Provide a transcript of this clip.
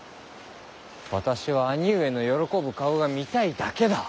私は兄上の喜ぶ顔が見たいだけだ。